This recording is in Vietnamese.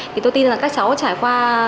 thì tôi tin là các cháu trải qua